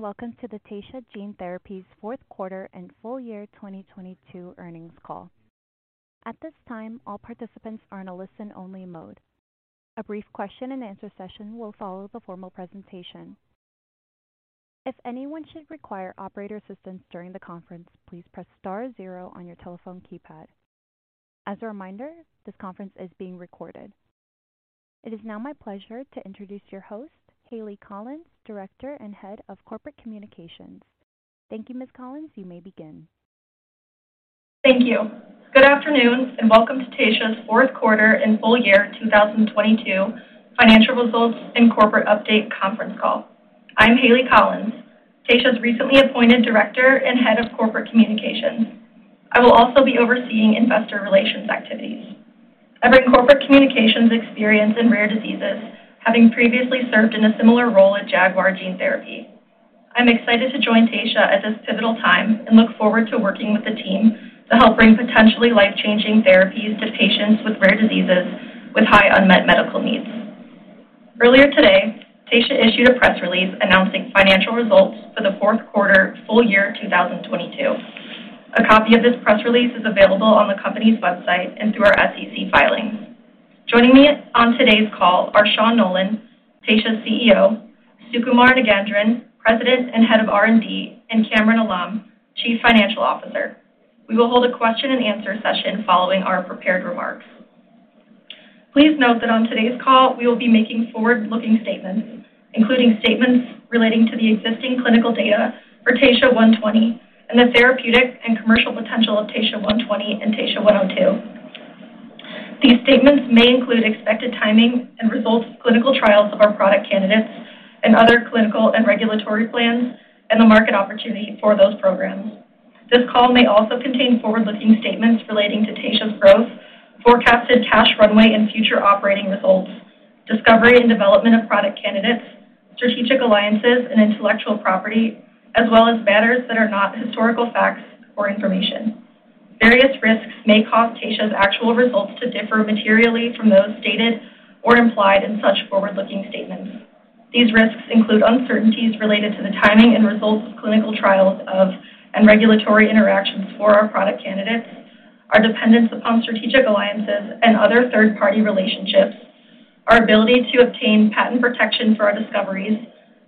Welcome to the Taysha Gene Therapies fourth quarter and full year 2022 earnings call. At this time, all participants are in a listen-only mode. A brief question and answer session will follow the formal presentation. If anyone should require operator assistance during the conference, please press star zero on your telephone keypad. As a reminder, this conference is being recorded. It is now my pleasure to introduce your host, Hayleigh Collins, Director and Head of Corporate Communications. Thank you, Ms. Collins. You may begin. Thank you. Good afternoon and welcome to Taysha's fourth quarter and full year 2022 financial results and corporate update conference call. I'm Hayleigh Collins, Taysha's recently appointed Director and Head of Corporate Communications. I will also be overseeing investor relations activities. I bring corporate communications experience in rare diseases, having previously served in a similar role at Jaguar Gene Therapy. I'm excited to join Taysha at this pivotal time and look forward to working with the team to help bring potentially life-changing therapies to patients with rare diseases with high unmet medical needs. Earlier today, Taysha issued a press release announcing financial results for the fourth quarter full year 2022. A copy of this press release is available on the company's website and through our SEC filings. Joining me on today's call are Sean Nolan, Taysha's CEO, Sukumar Nagendran, President and Head of R&D, and Kamran Alam, Chief Financial Officer. We will hold a question and answer session following our prepared remarks. Please note that on today's call we will be making forward-looking statements, including statements relating to the existing clinical data for TSHA-120 and the therapeutic and commercial potential of TSHA-120 and TSHA-102. These statements may include expected timing and results of clinical trials of our product candidates and other clinical and regulatory plans and the market opportunity for those programs. This call may also contain forward-looking statements relating to Taysha's growth, forecasted cash runway and future operating results, discovery and development of product candidates, strategic alliances and intellectual property, as well as matters that are not historical facts or information. Various risks may cause Taysha's actual results to differ materially from those stated or implied in such forward-looking statements. These risks include uncertainties related to the timing and results of clinical trials of, and regulatory interactions for our product candidates, our dependence upon strategic alliances and other third-party relationships, our ability to obtain patent protection for our discoveries,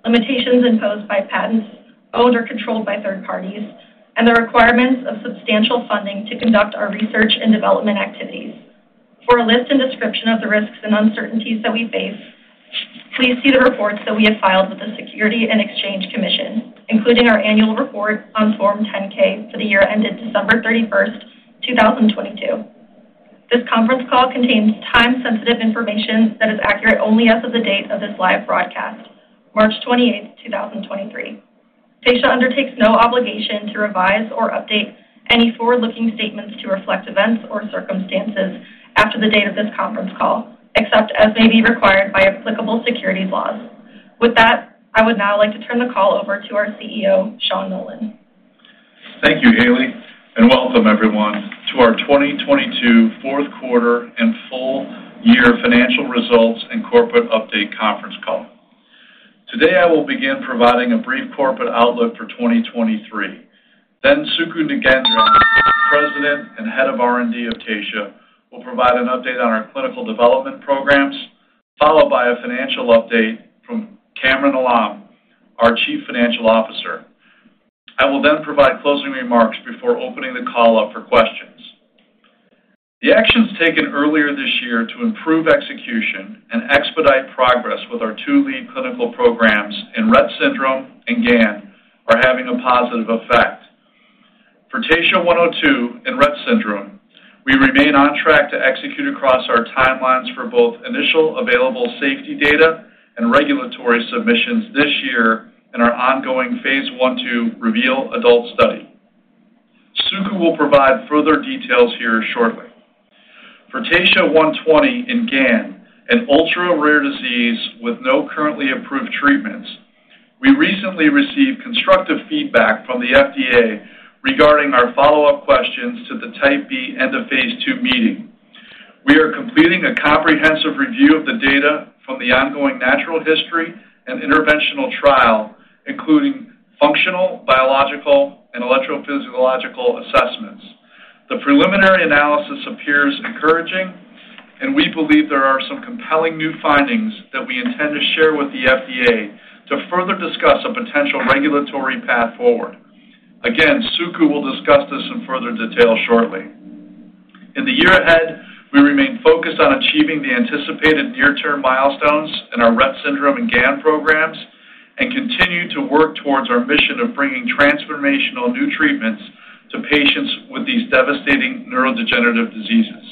limitations imposed by patents owned or controlled by third parties, and the requirements of substantial funding to conduct our research and development activities. For a list and description of the risks and uncertainties that we face, please see the reports that we have filed with the Securities and Exchange Commission, including our annual report on Form 10-K for the year ended December 31st, 2022. This conference call contains time-sensitive information that is accurate only as of the date of this live broadcast, March 28th, 2023. Taysha undertakes no obligation to revise or update any forward-looking statements to reflect events or circumstances after the date of this conference call, except as may be required by applicable securities laws. With that, I would now like to turn the call over to our CEO, Sean Nolan. Thank you, Hayleigh, welcome everyone to our 2022 fourth quarter and full year financial results and corporate update conference call. Today, I will begin providing a brief corporate outlook for 2023. Suku Nagendran President and Head of R&D of Taysha will provide an update on our clinical development programs, followed by a financial update from Kamran Alam, our Chief Financial Officer. I will then provide closing remarks before opening the call up for questions. The actions taken earlier this year to improve execution and expedite progress with our two lead clinical programs in Rett syndrome and GAN are having a positive effect. For TSHA-102 in Rett syndrome, we remain on track to execute across our timelines for both initial available safety data and regulatory submissions this year in our ongoing Phase 1/2 REVEAL adult study. Suku will provide further details here shortly. For TSHA-120 in GAN, an ultra-rare disease with no currently approved treatments, we recently received constructive feedback from the FDA regarding our follow-up questions to the Type B End-of-Phase 2 meeting. We are completing a comprehensive review of the data from the ongoing natural history and interventional trial, including functional, biological, and electrophysiological assessments. The preliminary analysis appears encouraging, and we believe there are some compelling new findings that we intend to share with the FDA to further discuss a potential regulatory path forward. Again, Suku will discuss this in further detail shortly. In the year ahead, we remain focused on achieving the anticipated near-term milestones in our Rett syndrome and GAN programs and continue to work towards our mission of bringing transformational new treatments to patients with these devastating neurodegenerative diseases.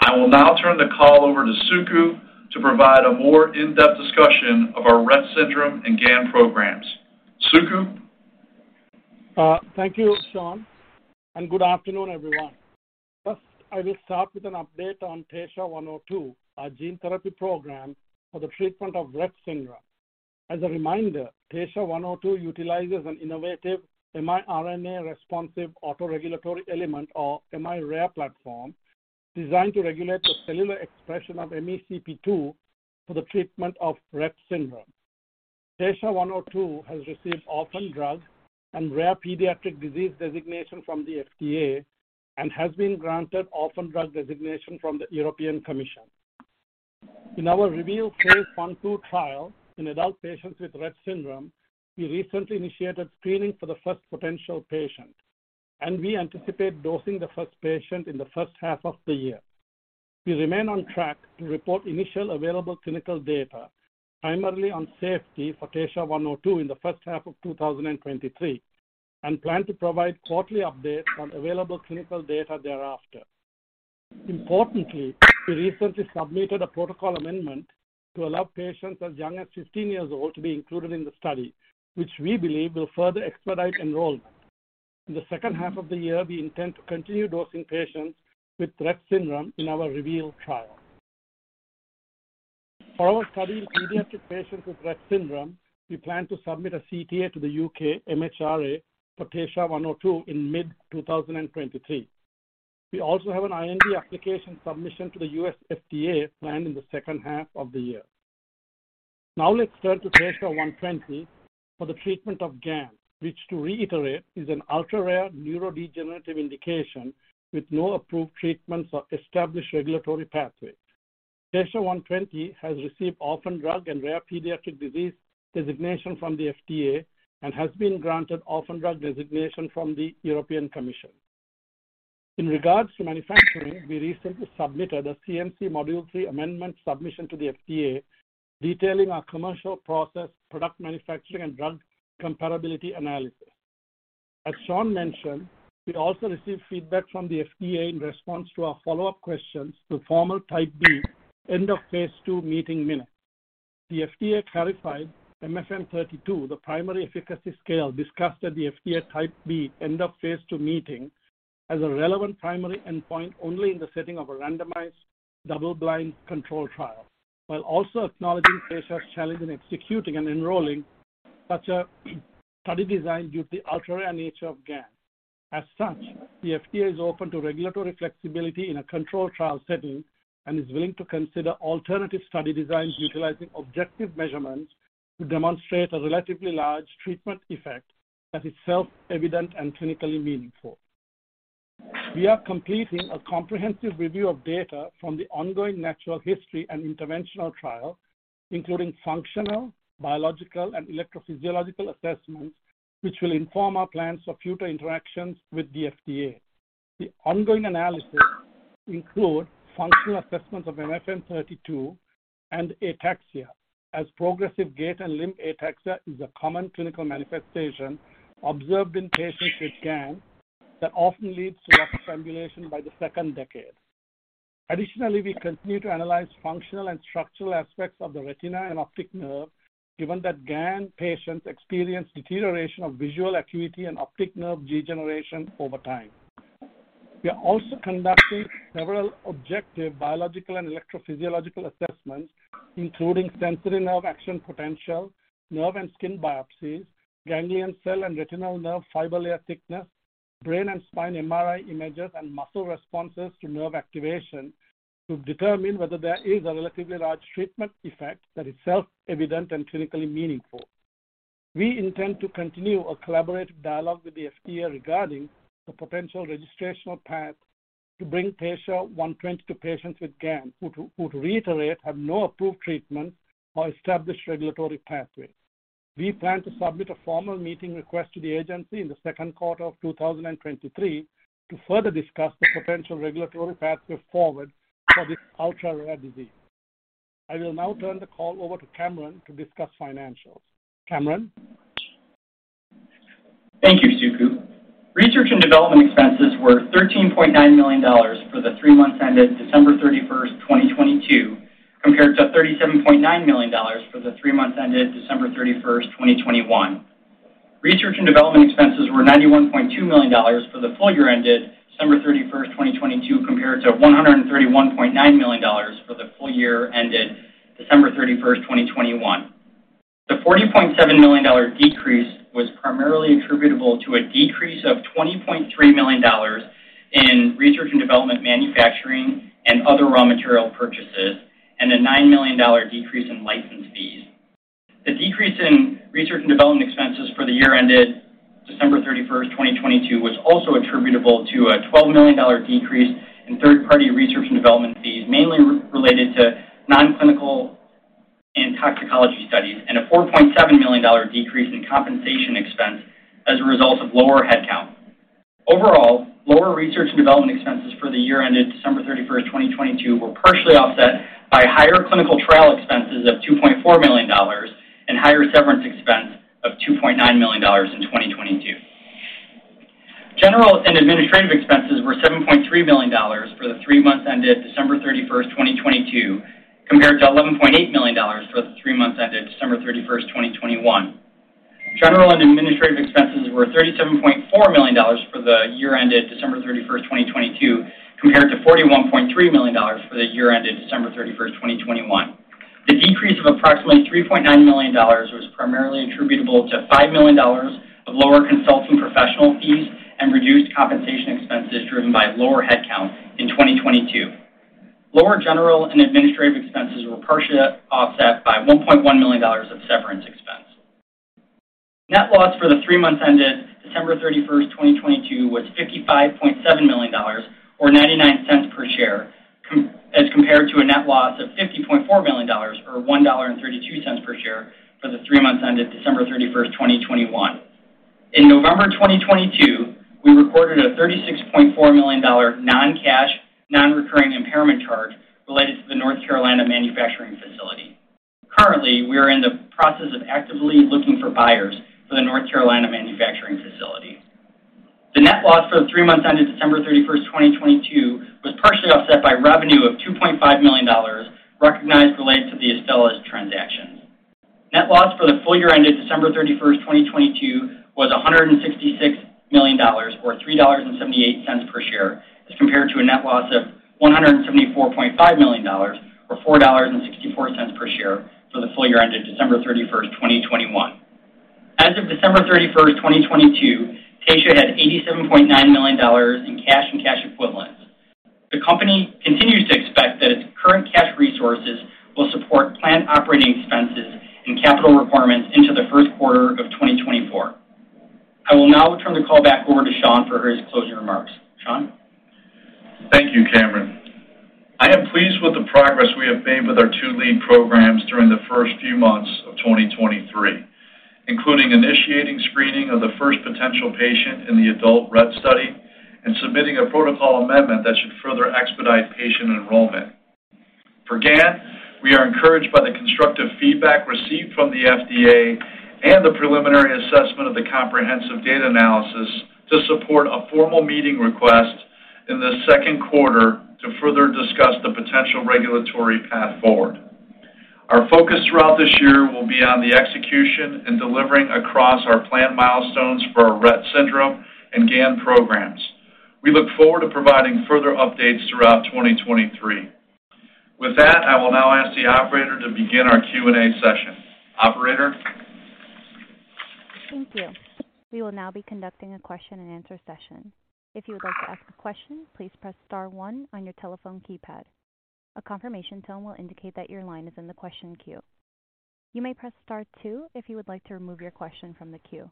I will now turn the call over to Suku to provide a more in-depth discussion of our Rett syndrome and GAN programs. Suku? Thank you, Sean, good afternoon, everyone. First, I will start with an update on TSHA-102, our gene therapy program for the treatment of Rett syndrome. As a reminder, TSHA-102 utilizes an innovative miRNA-Responsive Auto-Regulatory Element or miRARE platform designed to regulate the cellular expression of MECP2 for the treatment of Rett syndrome. TSHA-102 has received orphan drug and rare pediatric disease designation from the FDA and has been granted orphan drug designation from the European Commission. In our REVEAL Phase I-II trial in adult patients with Rett syndrome, we recently initiated screening for the first potential patient, and we anticipate dosing the first patient in the first half of the year. We remain on track to report initial available clinical data primarily on safety for TSHA-102 in the first half of 2023 and plan to provide quarterly updates on available clinical data thereafter. Importantly, we recently submitted a protocol amendment to allow patients as young as 15 years old to be included in the study, which we believe will further expedite enrollment. In the second half of the year, we intend to continue dosing patients with Rett syndrome in our REVEAL trial. For our study in pediatric patients with Rett syndrome, we plan to submit a CTA to the UK MHRA for TSHA-102 in mid 2023. We also have an IND application submission to the US FDA planned in the second half of the year. Let's turn to TSHA-120 for the treatment of GAN, which to reiterate, is an ultra-rare neurodegenerative indication with no approved treatments or established regulatory pathway. TSHA-120 has received orphan drug and rare pediatric disease designation from the FDA and has been granted orphan drug designation from the European Commission. In regards to manufacturing, we recently submitted a CMC module 3 amendment submission to the FDA detailing our commercial process, product manufacturing, and drug comparability analysis. As Sean mentioned, we also received feedback from the FDA in response to our follow-up questions to formal Type B End-of-Phase II meeting minutes. The FDA clarified MFM32, the primary efficacy scale discussed at the FDA Type B End-of-Phase II meeting, as a relevant primary endpoint only in the setting of a randomized double-blind controlled trial, while also acknowledging Taysha's challenge in executing and enrolling such a study design due to the ultra-rare nature of GAN. As such, the FDA is open to regulatory flexibility in a controlled trial setting and is willing to consider alternative study designs utilizing objective measurements to demonstrate a relatively large treatment effect that is self-evident and clinically meaningful. We are completing a comprehensive review of data from the ongoing natural history and interventional trial, including functional, biological, and electrophysiological assessments, which will inform our plans for future interactions with the FDA. The ongoing analysis include functional assessments of MFM32 and ataxia, as progressive gait and limb ataxia is a common clinical manifestation observed in patients with GAN that often leads to ambulation by the second decade. Additionally, we continue to analyze functional and structural aspects of the retina and optic nerve, given that GAN patients experience deterioration of visual acuity and optic nerve degeneration over time. We are also conducting several objective biological and electrophysiological assessments, including sensory nerve action potential, nerve and skin biopsies, ganglion cell and retinal nerve fiber layer thickness, brain and spine MRI images, and muscle responses to nerve activation to determine whether there is a relatively large treatment effect that is self-evident and clinically meaningful. We intend to continue a collaborative dialogue with the FDA regarding the potential registrational path to bring TSHA-120 to patients with GAN who to reiterate, have no approved treatment or established regulatory pathway. We plan to submit a formal meeting request to the agency in the second quarter of 2023 to further discuss the potential regulatory pathway forward for this ultra-rare disease. I will now turn the call over to Kamran to discuss financials. Kamran? Thank you, Suku. Research and development expenses were $13.9 million for the three months ended December 31st, 2022, compared to $37.9 million for the three months ended December 31st, 2021. Research and development expenses were $91.2 million for the full year ended December 31st, 2022, compared to $131.9 million for the full year ended December 31st, 2021. The $40.7 million decrease was primarily attributable to a decrease of $20.3 million in research and development, manufacturing, and other raw material purchases, and a $9 million decrease in license fees. The decrease in research and development expenses for the year ended December 31st, 2022, was also attributable to a $12 million decrease in third-party research and development fees, mainly related to non-clinical and toxicology studies, and a $4.7 million decrease in compensation expense as a result of lower headcount. Overall, lower research and development expenses for the year ended December 31st, 2022, were partially offset by higher clinical trial expenses of $2.4 million and higher severance expense of $2.9 million in 2022. General and administrative expenses were $7.3 million for the three months ended December 31st, 2022, compared to $11.8 million for the three months ended December 31st, 2021. General and administrative expenses were $37.4 million for the year ended December 31st, 2022, compared to $41.3 million for the year ended December 31st, 2021. Decrease of approximately $3.9 million was primarily attributable to $5 million of lower consulting professional fees and reduced compensation expenses driven by lower headcount in 2022. Lower general and administrative expenses were partially offset by $1.1 million of severance expense. Net loss for the three months ended December 31st, 2022, was $55.7 million or $0.99 per share as compared to a net loss of $50.4 million or $1.32 per share for the three months ended December 31st, 2021. In November 2022, we recorded a $36.4 million non-cash, non-recurring impairment charge related to the North Carolina manufacturing facility. Currently, we are in the process of actively looking for buyers for the North Carolina manufacturing facility. The net loss for the three months ended December 31st, 2022, was partially offset by revenue of $2.5 million recognized related to the Astellas transaction. Net loss for the full year ended December 31st, 2022, was $166 million or $3.78 per share as compared to a net loss of $174.5 million or $4.64 per share for the full year ended December 31st, 2021. As of December 31st, 2022, Taysha had $87.9 million in cash and cash equivalents. The company continues to expect that its current cash resources will support planned operating expenses and capital requirements into the first quarter of 2024. I will now return the call back over to Sean for his closing remarks. Sean? Thank you, Kamran. I am pleased with the progress we have made with our two lead programs during the first few months of 2023, including initiating screening of the first potential patient in the adult Rett study and submitting a protocol amendment that should further expedite patient enrollment. For GAN, we are encouraged by the constructive feedback received from the FDA and the preliminary assessment of the comprehensive data analysis to support a formal meeting request in the second quarter to further discuss the potential regulatory path forward. Our focus throughout this year will be on the execution and delivering across our planned milestones for our Rett syndrome and GAN programs. We look forward to providing further updates throughout 2023. With that, I will now ask the operator to begin our Q&A session. Operator? Thank you. We will now be conducting a question-and-answer session. If you would like to ask a question, please press star one on your telephone keypad. A confirmation tone will indicate that your line is in the question queue. You may press star two if you would like to remove your question from the queue.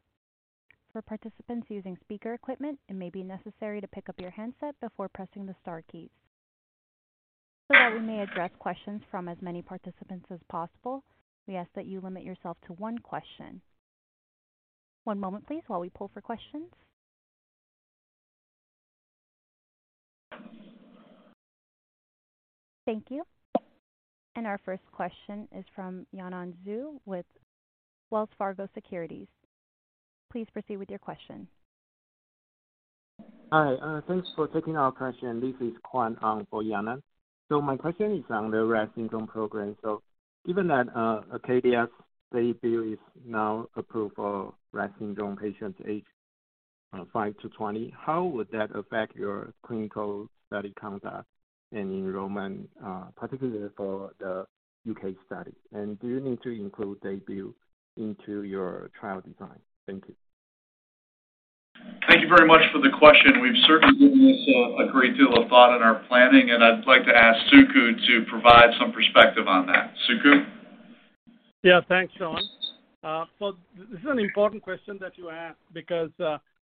For participants using speaker equipment, it may be necessary to pick up your handset before pressing the star keys. That we may address questions from as many participants as possible, we ask that you limit yourself to one question. One moment, please, while we pull for questions. Thank you. Our first question is from Yanan Zhu with Wells Fargo Securities. Please proceed with your question. Hi. Thanks for taking our question. This is Kwan for Yanan. My question is on the Rett syndrome program. Given that DAYBUE is now approved for Rett syndrome patients aged 5 to 20, how would that affect your clinical study conduct and enrollment, particularly for the U.K. study? Do you need to include DAYBUE into your trial design? Thank you. Thank you very much for the question. We've certainly given this a great deal of thought in our planning, and I'd like to ask Suku to provide some perspective on that. Suku? Yeah. Thanks, Sean. This is an important question that you ask because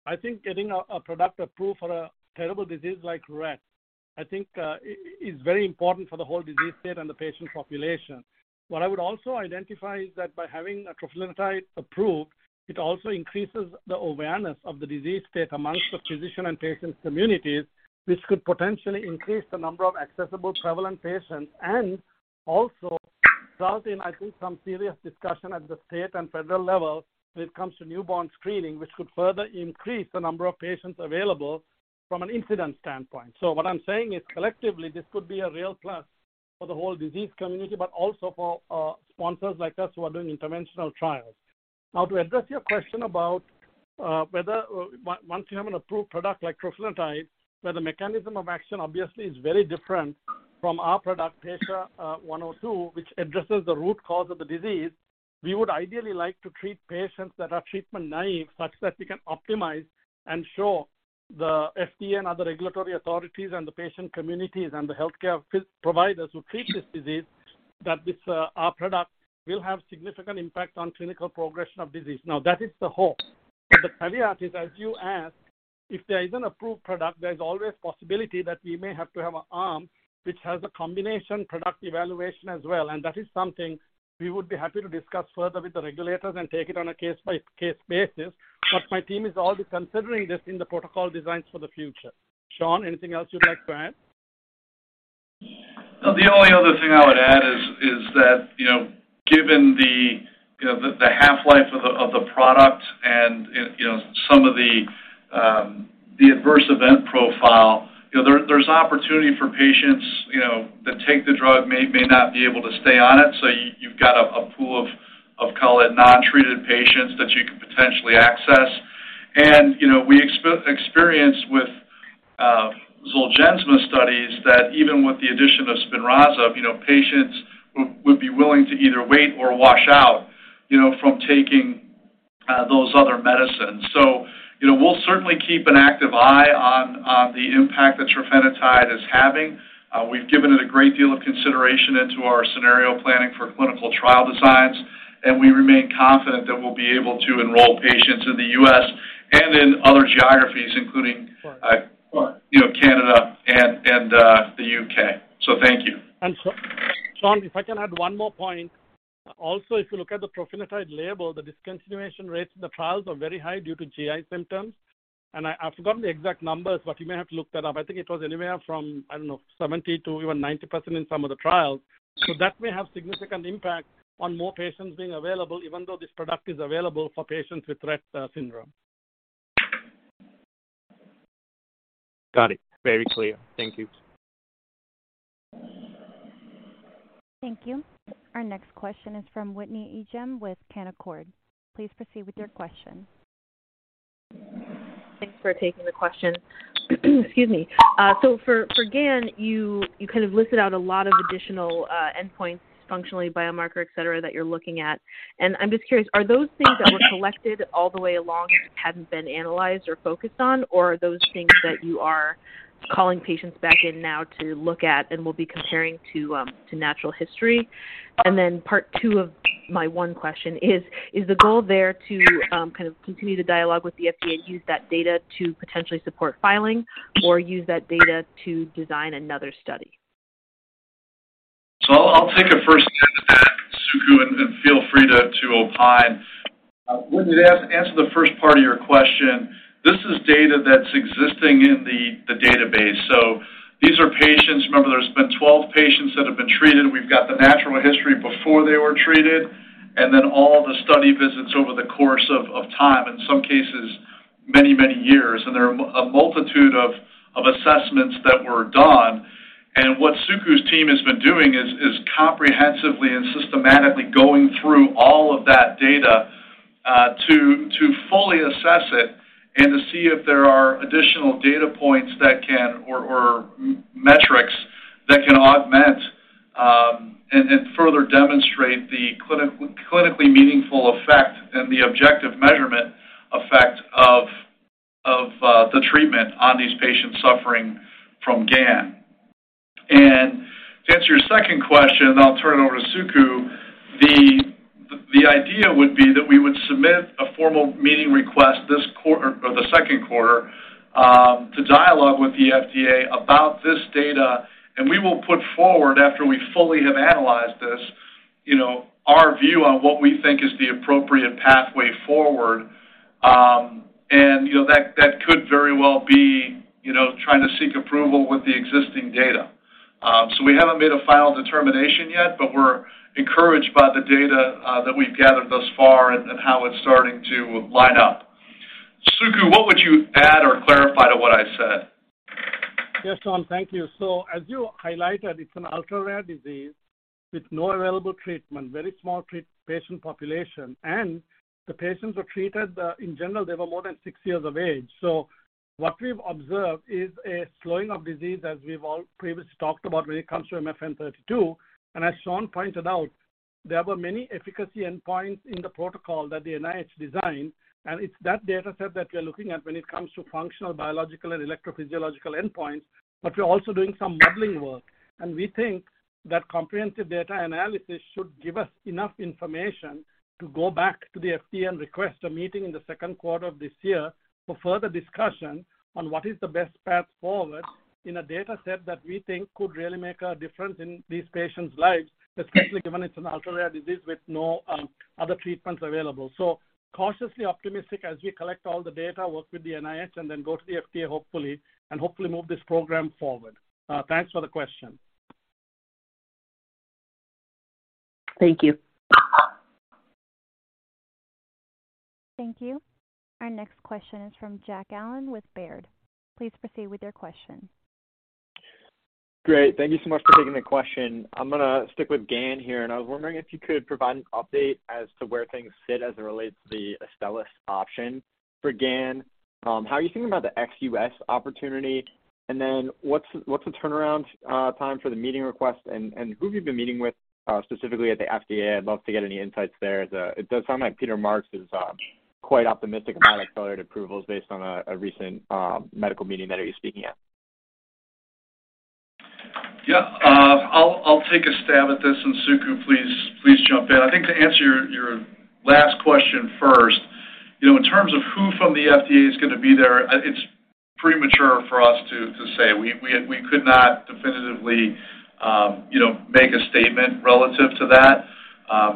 I think getting a product approved for a terrible disease like Rett, I think, is very important for the whole disease state and the patient population. What I would also identify is that by having trofinetide approved, it also increases the awareness of the disease state amongst the physician and patient communities, which could potentially increase the number of accessible prevalent patients and also result in, I think, some serious discussion at the state and federal level when it comes to newborn screening, which could further increase the number of patients available from an incident standpoint. What I'm saying is collectively, this could be a real plus for the whole disease community, but also for sponsors like us who are doing interventional trials. To address your question about whether once you have an approved product like trofinetide, where the mechanism of action obviously is very different from our product, TSHA-102, which addresses the root cause of the disease, we would ideally like to treat patients that are treatment naive such that we can optimize and show the FDA and other regulatory authorities and the patient communities and the healthcare providers who treat this disease that this, our product will have significant impact on clinical progression of disease. That is the hope. The caveat is, as you ask, if there is an approved product, there's always possibility that we may have to have an arm which has a combination product evaluation as well. That is something we would be happy to discuss further with the regulators and take it on a case-by-case basis. My team is already considering this in the protocol designs for the future. Sean, anything else you'd like to add? The only other thing I would add is that, you know, given the half-life of the, of the product and, you know, some of the adverse event profile, you know, there's opportunity for patients, you know, that take the drug may not be able to stay on it. You, you've got a pool of call it non-treated patients that you could potentially access. You know, we experience with Zolgensma studies that even with the addition of SPINRAZA, you know, patients would be willing to either wait or wash out, you know, from taking those other medicines. You know, we'll certainly keep an active eye on the impact that trofinetide is having. We've given it a great deal of consideration into our scenario planning for clinical trial designs, and we remain confident that we'll be able to enroll patients in the U.S. and in other geographies, including, you know, Canada and, the U.K. Thank you. Sean, if I can add one more point. Also, if you look at the trofinetide label, the discontinuation rates in the trials are very high due to GI symptoms. I've forgotten the exact numbers, but you may have to look that up. I think it was anywhere from 70%-90% in some of the trials. That may have significant impact on more patients being available, even though this product is available for patients with Rett syndrome. Got it. Very clear. Thank you. Thank you. Our next question is from Whitney Ijem with Canaccord. Please proceed with your question. Thanks for taking the question. For GAN, you kind of listed out a lot of additional endpoints, functionally, biomarker, et cetera, that you're looking at. I'm just curious, are those things that were collected all the way along and hadn't been analyzed or focused on, or are those things that you are calling patients back in now to look at and will be comparing to natural history? Part two of my one question is the goal there to kind of continue to dialogue with the FDA and use that data to potentially support filing or use that data to design another study? I'll take a first stab at that, Suku, and feel free to opine. Whitney, to answer the first part of your question, this is data that's existing in the database. These are patients, remember, there's been 12 patients that have been treated. We've got the natural history before they were treated, and then all the study visits over the course of time, in some cases, many, many years. There are a multitude of assessments that were done. What Suku's team has been doing is comprehensively and systematically going through all of that data to fully assess it and to see if there are additional data points that can or metrics that can augment and further demonstrate the clinically meaningful effect and the objective measurement effect of the treatment on these patients suffering from GAN. To answer your second question, I'll turn it over to Suku. The idea would be that we would submit a formal meeting request or the second quarter to dialogue with the FDA about this data. We will put forward, after we fully have analyzed this, you know, our view on what we think is the appropriate pathway forward. That could very well be, you know, trying to seek approval with the existing data. We haven't made a final determination yet, but we're encouraged by the data that we've gathered thus far and how it's starting to line up. Suku, what would you add or clarify to what I said? Yeah, Sean, thank you. As you highlighted, it's an ultra-rare disease with no available treatment, very small patient population, and the patients were treated, in general, they were more than six years of age. What we've observed is a slowing of disease, as we've all previously talked about when it comes to MFM32. As Sean pointed out, there were many efficacy endpoints in the protocol that the NIH designed, and it's that dataset that we are looking at when it comes to functional, biological, and electrophysiological endpoints. We're also doing some modeling work, and we think that comprehensive data analysis should give us enough information to go back to the FDA and request a meeting in the second quarter of this year for further discussion on what is the best path forward in a dataset that we think could really make a difference in these patients' lives, especially given it's an ultra-rare disease with no, other treatments available. Cautiously optimistic as we collect all the data, work with the NIH, and then go to the FDA, hopefully, and hopefully move this program forward. Thanks for the question. Thank you. Thank you. Our next question is from Jack Allen with Baird. Please proceed with your question. Great. Thank you so much for taking the question. I'm going to stick with GAN here. I was wondering if you could provide an update as to where things sit as it relates to the Astellas option for GAN. How are you thinking about the ex-U.S. opportunity? What's the turnaround time for the meeting request, and who have you been meeting with specifically at the FDA? I'd love to get any insights there. It does sound like Peter Marks is quite optimistic about accelerated approvals based on a recent medical meeting that he was speaking at. Yeah. I'll take a stab at this, and Suku, please jump in. I think to answer your last question first, you know, in terms of who from the FDA is gonna be there, it's premature for us to say. We could not definitively, you know, make a statement relative to that.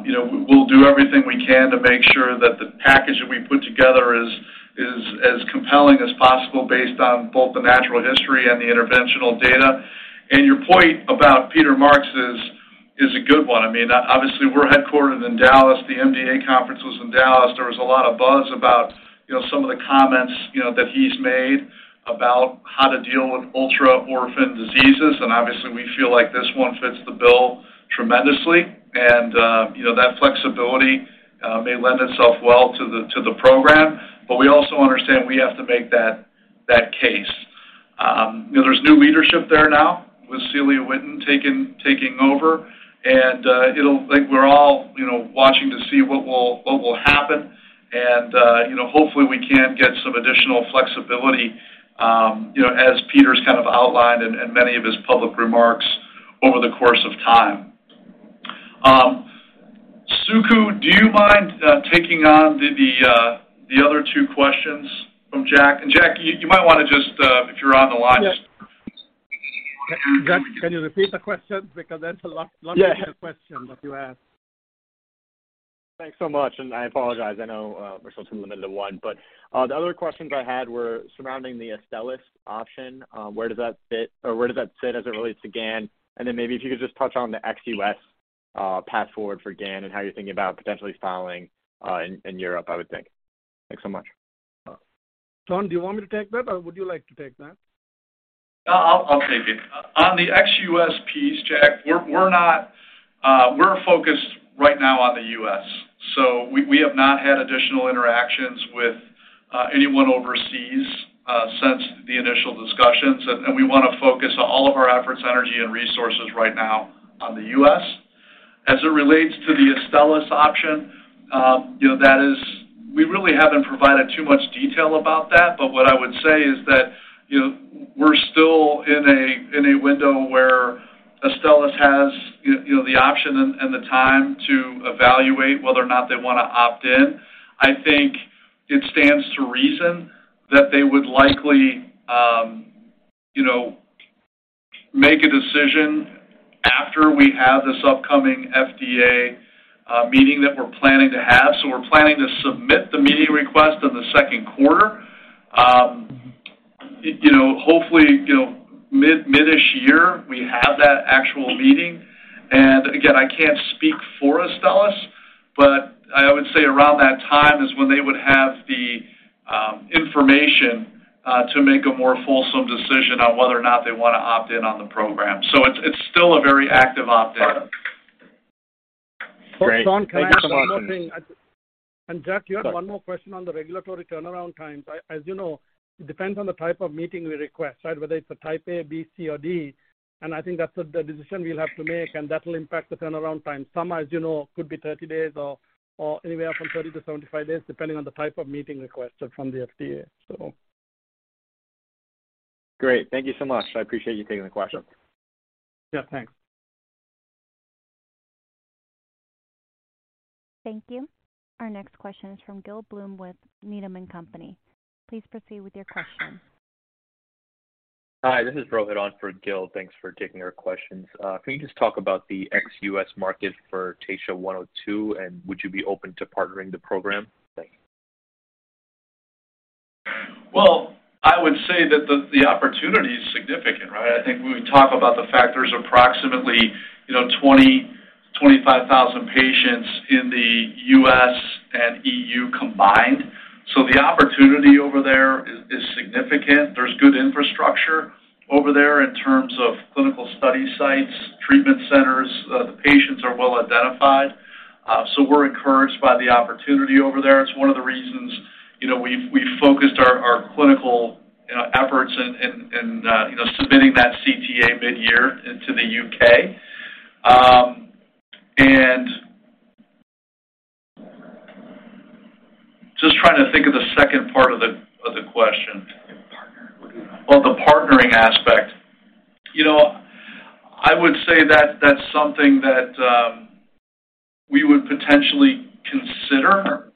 You know, we'll do everything we can to make sure that the package that we put together is as compelling as possible based on both the natural history and the interventional data. Your point about Peter Marks is a good one. I mean, obviously, we're headquartered in Dallas. The MDA conference was in Dallas. There was a lot of buzz about, you know, some of the comments, you know, that he's made about how to deal with ultra-orphan diseases. Obviously, we feel like this one fits the bill tremendously. you know, that flexibility may lend itself well to the program, but we also understand we have to make that case. you know, there's new leadership there now with Celia Witten taking over and, it'll, like, we're all, you know, watching to see what will happen and, you know, hopefully we can get some additional flexibility, you know, as Peter's kind of outlined in many of his public remarks over the course of time. Suku, do you mind, taking on the other two questions from Jack? Jack, you might wanna just, if you're on the line- Yes. Jack, can you repeat the questions? There's lots of questions- Yeah -that you asked. Thanks so much. I apologize. I know, we're supposed to be limited to one. The other questions I had were surrounding the Astellas option, where does that fit or where does that sit as it relates to GAN? Maybe if you could just touch on the ex-U.S. path forward for GAN and how you're thinking about potentially filing in Europe, I would think. Thanks so much. Sean, do you want me to take that, or would you like to take that? I'll take it. On the ex-U.S. piece, Jack, we're not. We're focused right now on the U.S., so we have not had additional interactions with anyone overseas since the initial discussions. We wanna focus all of our efforts, energy, and resources right now on the U.S. As it relates to the Astellas option, you know, that is. We really haven't provided too much detail about that, but what I would say is that, you know, we're still in a window where Astellas has, you know, the option and the time to evaluate whether or not they wanna opt in. I think it stands to reason that they would likely, you know, make a decision after we have this upcoming FDA meeting that we're planning to have. We're planning to submit the meeting request in the second quarter. You know, hopefully, you know, mid this year we have that actual meeting. Again, I can't speak for Astellas, but I would say around that time is when they would have the information to make a more fulsome decision on whether or not they wanna opt in on the program. It's, it's still a very active opt-in. Great. Thank you so much. Sean, can I add one more thing? Jack, you had one more question on the regulatory turnaround times. As you know, it depends on the type of meeting we request, right? Whether it's a type A, B, C, or D, and I think that's the decision we'll have to make, and that will impact the turnaround time. Some, as you know, could be 30 days or anywhere from 30 to 75 days, depending on the type of meeting requested from the FDA, so. Great. Thank you so much. I appreciate you taking the question. Yeah, thanks. Thank you. Our next question is from Gil Blum with Needham & Company. Please proceed with your question. Hi, this is Rohit on for Gil. Thanks for taking our questions. Can you just talk about the ex US market for TSHA-102, and would you be open to partnering the program? Thanks. Well, I would say that the opportunity is significant, right? I think when we talk about the fact there's approximately, you know, 20,000-25,000 patients in the U.S. and E.U. combined. The opportunity over there is significant. There's good infrastructure over there in terms of clinical study sites, treatment centers. The patients are well-identified. We're encouraged by the opportunity over there. It's one of the reasons, you know, we've focused our clinical efforts and, you know, submitting that CTA mid-year into the U.K. Just trying to think of the second part of the question. Oh, the partnering aspect. You know, I would say that that's something that we would potentially consider.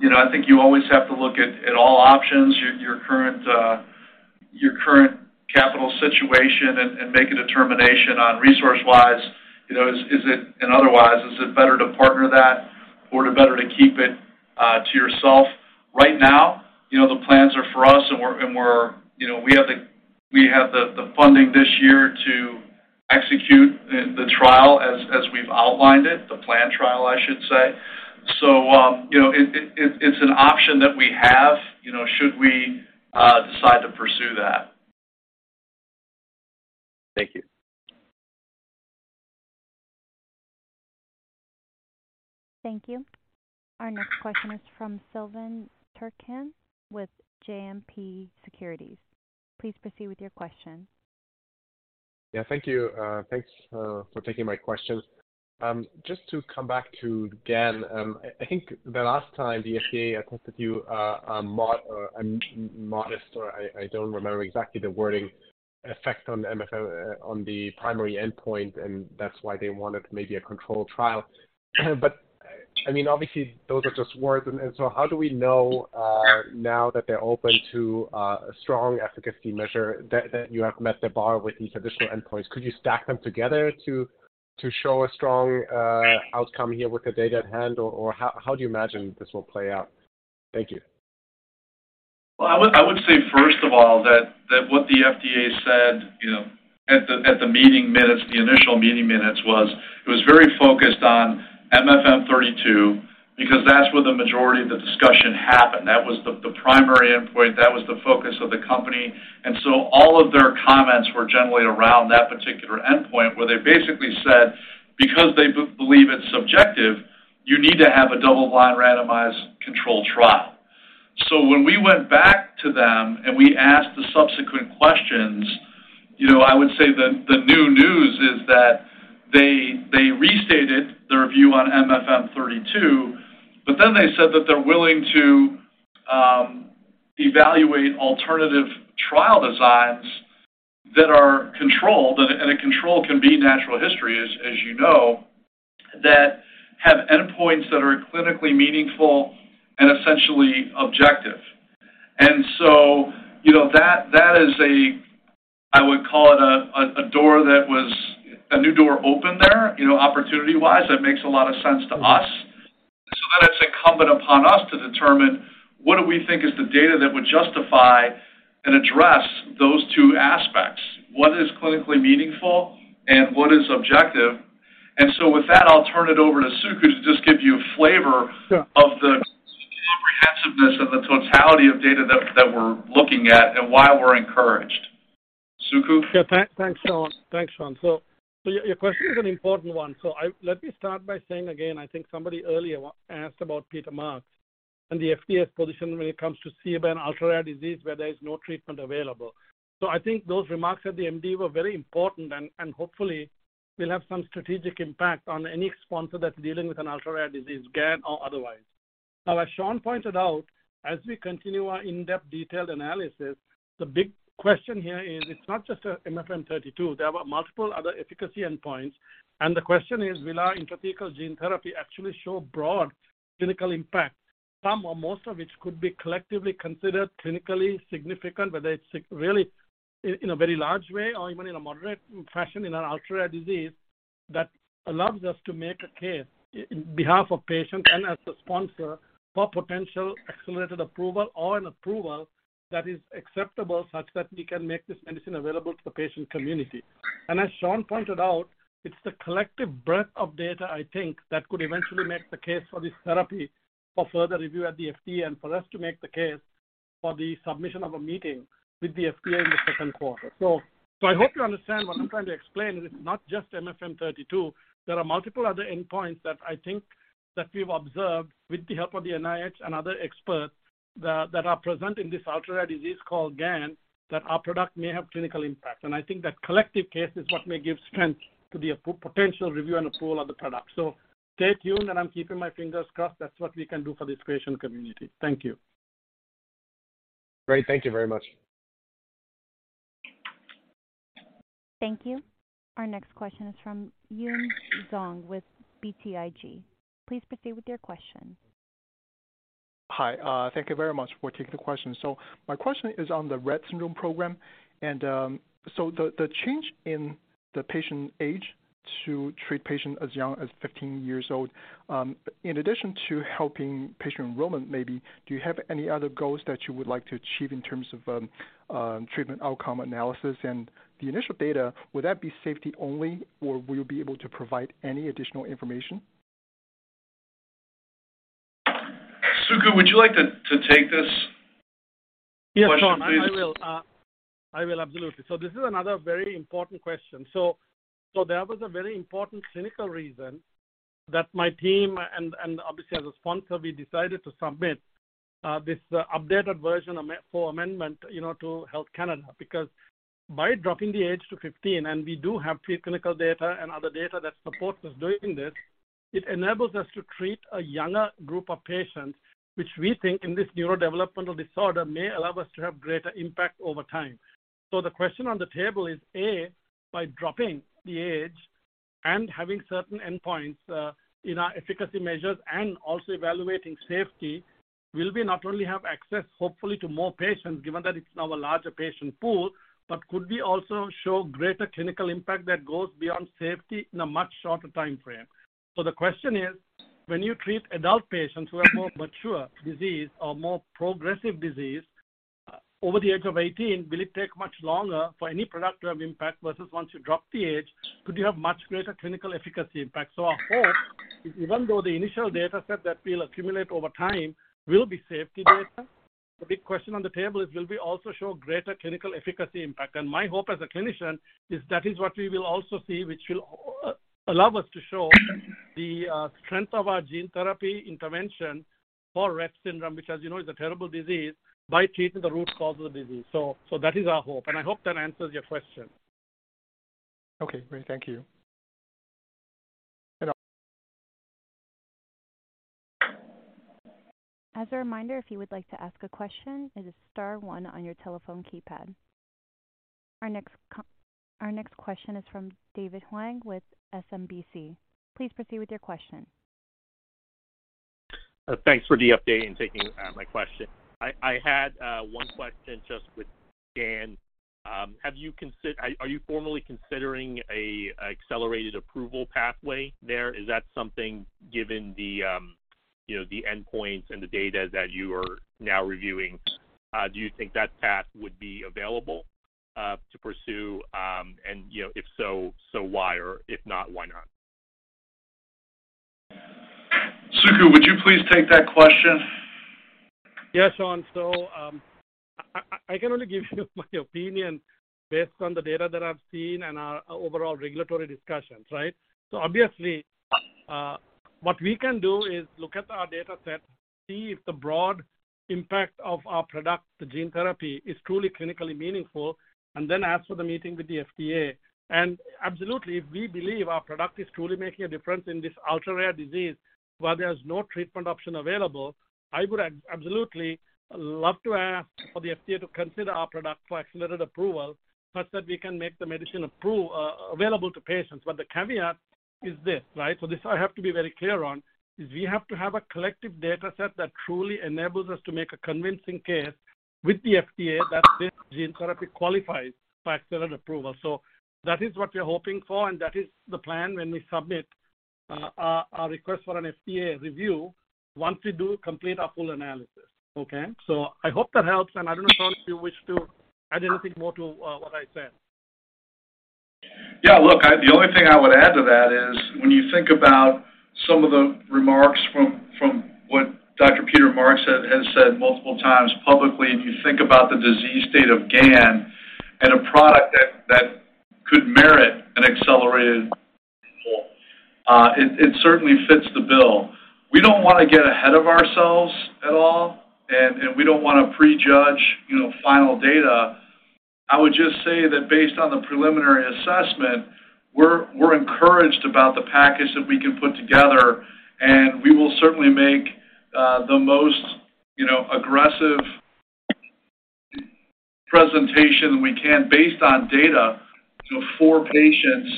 You know, I think you always have to look at all options, your current capital situation and make a determination on resource-wise, you know, is it and otherwise, is it better to partner that or to better to keep it to yourself? Right now, you know, the plans are for us, and we're, you know, we have the funding this year to execute the trial as we've outlined it, the planned trial, I should say. You know, it's an option that we have, you know, should we decide to pursue that. Thank you. Thank you. Our next question is from Silvan Türkcan with JMP Securities. Please proceed with your question. Yeah, thank you. Thanks for taking my questions. Just to come back to GAN, I think the last time the FDA attempted to modest or I don't remember exactly the wording, effect on the MFM on the primary endpoint, and that's why they wanted maybe a controlled trial. I mean, obviously, those are just words. How do we know now that they're open to a strong efficacy measure that you have met the bar with these additional endpoints? Could you stack them together to show a strong outcome here with the data at hand, or how do you imagine this will play out? Thank you. Well, I would say first of all that what the FDA said, you know, at the meeting minutes, the initial meeting minutes was, it was very focused on MFM32 because that's where the majority of the discussion happened. That was the primary endpoint. That was the focus of the company. All of their comments were generally around that particular endpoint, where they basically said, because they believe it's subjective, you need to have a double-blind randomized controlled trial. When we went back to them and we asked the subsequent questions, you know, I would say that the new news is that they restated their review on MFM32, they said that they're willing to evaluate alternative trial designs that are controlled, and a control can be natural history as you know, that have endpoints that are clinically meaningful and essentially objective. You know, that is a, I would call it a door that was a new door open there, you know, opportunity-wise, that makes a lot of sense to us. It's incumbent upon us to determine what do we think is the data that would justify and address those two aspects, what is clinically meaningful and what is objective. With that, I'll turn it over to Suku to just give you a flavor. Sure. of the comprehensiveness and the totality of data that we're looking at and why we're encouraged. Suku? Yeah. Thanks, Sean. Thanks, Sean. Your, your question is an important one. Let me start by saying again, I think somebody earlier asked about Peter Marks and the FDA's position when it comes to CBA and ultra-rare disease where there is no treatment available. I think those remarks at the MDA were very important and hopefully will have some strategic impact on any sponsor that's dealing with an ultra-rare disease, GAN or otherwise. As Sean pointed out, as we continue our in-depth detailed analysis, the big question here is it's not just MFM32. There were multiple other efficacy endpoints, and the question is, will our intrathecal gene therapy actually show broad clinical impact, some or most of which could be collectively considered clinically significant, whether it's really in a very large way or even in a moderate fashion in an ultra-rare disease that allows us to make a case in behalf of patients and as the sponsor for potential accelerated approval or an approval that is acceptable such that we can make this medicine available to the patient community. As Sean pointed out, it's the collective breadth of data, I think, that could eventually make the case for this therapy for further review at the FDA and for us to make the case for the submission of a meeting with the FDA in the second quarter. I hope you understand what I'm trying to explain, and it's not just MFM32. There are multiple other endpoints that I think that we've observed with the help of the NIH and other experts that are present in this ultra-rare disease called GAN, that our product may have clinical impact. I think that collective case is what may give strength to the potential review and approval of the product. Stay tuned, and I'm keeping my fingers crossed that's what we can do for this patient community. Thank you. Great. Thank you very much. Thank you. Our next question is from Yun Zhong with BTIG. Please proceed with your question. Hi, thank you very much for taking the question. My question is on the Rett syndrome program and, so the change in the patient age to treat patient as young as 15 years old, in addition to helping patient enrollment, maybe, do you have any other goals that you would like to achieve in terms of, treatment outcome analysis? And the initial data, would that be safety only, or will you be able to provide any additional information? Suku, would you like to take this question, please? Yes, Sean, I will. I will, absolutely. This is another very important question. There was a very important clinical reason that my team and obviously as a sponsor, we decided to submit this updated version for amendment, you know, to Health Canada, because by dropping the age to 15 and we do have pre-clinical data and other data that supports us doing this, it enables us to treat a younger group of patients, which we think in this neurodevelopmental disorder may allow us to have greater impact over time. The question on the table is A, by dropping the age and having certain endpoints in our efficacy measures and also evaluating safety, will we not only have access, hopefully, to more patients, given that it's now a larger patient pool, but could we also show greater clinical impact that goes beyond safety in a much shorter timeframe? The question is, when you treat adult patients who have more mature disease or more progressive disease over the age of 18, will it take much longer for any product to have impact versus once you drop the age, could you have much greater clinical efficacy impact? Our hope is even though the initial data set that we'll accumulate over time will be safety data, the big question on the table is will we also show greater clinical efficacy impact? My hope as a clinician is that is what we will also see, which will allow us to show the strength of our gene therapy intervention for Rett syndrome, which as you know, is a terrible disease, by treating the root cause of the disease. That is our hope, and I hope that answers your question. Okay, great. Thank you. As a reminder, if you would like to ask a question, it is star one on your telephone keypad. Our next question is from David Hoang with SMBC. Please proceed with your question. Thanks for the update and taking my question. I had one question just with GAN. Are you formally considering an accelerated approval pathway there? Is that something, given the, you know, the endpoints and the data that you are now reviewing, do you think that path would be available to pursue? You know, if so, why? Or if not, why not? Suku, would you please take that question? Yes, Sean. I can only give you my opinion based on the data that I've seen and our overall regulatory discussions, right? Obviously, what we can do is look at our data set, see if the broad impact of our product, the gene therapy, is truly clinically meaningful, and then ask for the meeting with the FDA. Absolutely, if we believe our product is truly making a difference in this ultra-rare disease where there's no treatment option available, I would absolutely love to ask for the FDA to consider our product for accelerated approval such that we can make the medicine available to patients. The caveat is this, right? This I have to be very clear on, is we have to have a collective data set that truly enables us to make a convincing case with the FDA that this gene therapy qualifies for accelerated approval. That is what we're hoping for, and that is the plan when we submit our request for an FDA review once we do complete our full analysis. Okay? I hope that helps, and I don't know, Sean, if you wish to add anything more to what I said. Yeah. Look, the only thing I would add to that is when you think about some of the remarks from what Dr. Peter Marks has said multiple times publicly, and you think about the disease state of GAN and a product that could merit an accelerated approval, it certainly fits the bill. We don't wanna get ahead of ourselves at all, and we don't wanna prejudge, you know, final data. I would just say that based on the preliminary assessment, we're encouraged about the package that we can put together and we will certainly make the most, you know, aggressive presentation we can based on data, you know, for patients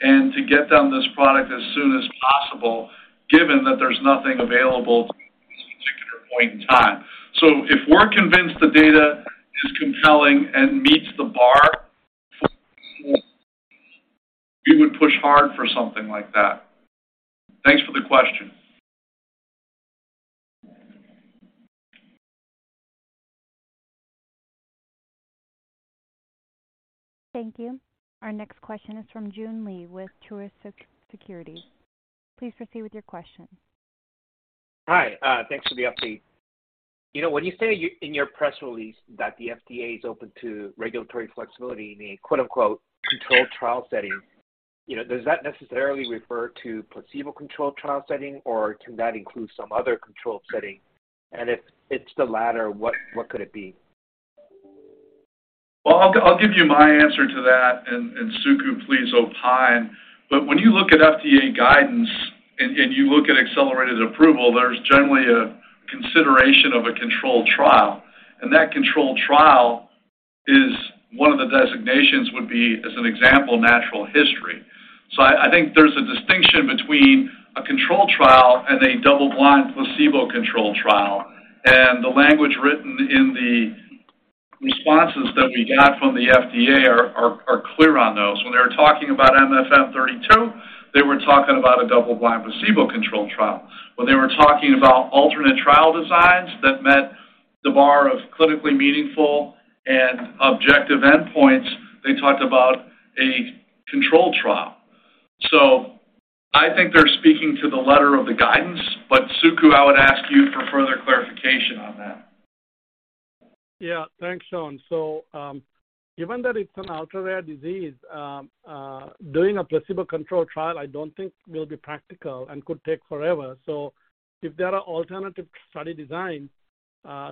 and to get them this product as soon as possible, given that there's nothing available at this particular point in time. If we're convinced the data is compelling and meets the bar, we would push hard for something like that. Thanks for the question. Thank you. Our next question is from Joon Lee with Truist Securities. Please proceed with your question. Hi. Thanks for the update. You know, when you say in your press release that the FDA is open to regulatory flexibility in a quote-unquote, controlled trial setting, you know, does that necessarily refer to placebo-controlled trial setting, or can that include some other controlled setting? If it's the latter, what could it be? Well, I'll give you my answer to that, and Suku, please opine. When you look at FDA guidance and you look at accelerated approval, there's generally a consideration of a controlled trial. That controlled trial is one of the designations would be, as an example, natural history. I think there's a distinction between a controlled trial and a double-blind placebo-controlled trial. The language written in the responses that we got from the FDA are clear on those. When they were talking about MFM32, they were talking about a double-blind placebo-controlled trial. When they were talking about alternate trial designs that met the bar of clinically meaningful and objective endpoints, they talked about a controlled trial. I think they're speaking to the letter of the guidance. Suku, I would ask you for further clarification on that. Yeah. Thanks, Sean. Given that it's an ultra-rare disease, doing a placebo-controlled trial, I don't think will be practical and could take forever. If there are alternative study design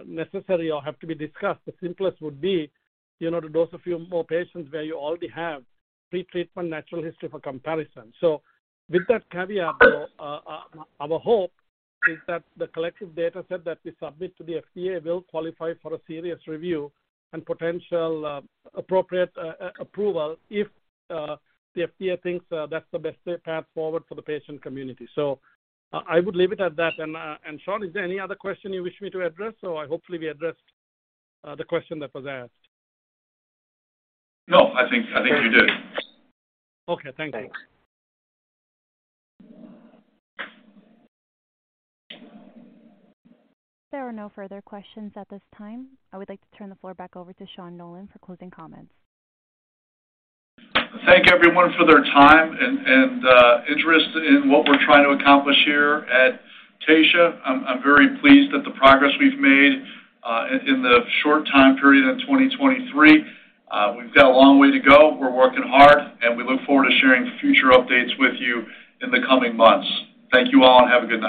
necessary or have to be discussed, the simplest would be, you know, to dose a few more patients where you already have pretreatment natural history for comparison. With that caveat, though, our hope is that the collective data set that we submit to the FDA will qualify for a serious review and potential appropriate approval if the FDA thinks that's the best path forward for the patient community. I would leave it at that. Sean, is there any other question you wish me to address, or hopefully we addressed the question that was asked. No, I think you did. Okay. Thank you. Thanks. There are no further questions at this time. I would like to turn the floor back over to Sean Nolan for closing comments. Thank everyone for their time and interest in what we're trying to accomplish here at Taysha. I'm very pleased at the progress we've made in the short time period in 2023. We've got a long way to go. We're working hard, and we look forward to sharing future updates with you in the coming months. Thank you all, and have a good day.